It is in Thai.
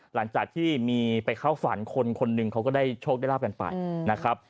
หลังจากที่มีไปเข้าฝันคนคนหนึ่งเขาก็ได้โชคได้ราบกันไปนะครับ